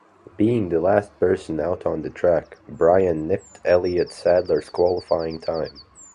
Being the last person out on the track, Brian nipped Elliott Sadler's qualifying time.